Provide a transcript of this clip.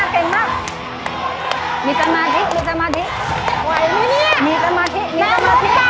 เดี๋ยวจะมีทางมากิ